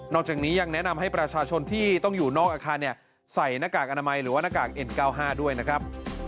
จากนี้ยังแนะนำให้ประชาชนที่ต้องอยู่นอกอาคารใส่หน้ากากอนามัยหรือว่าหน้ากากเอ็น๙๕ด้วยนะครับ